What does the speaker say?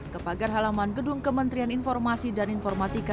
ke pagar halaman gedung kementerian informasi dan informatika